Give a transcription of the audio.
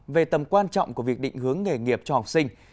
về tầm quan trọng của việc định hướng nghề nghiệp cho học sinh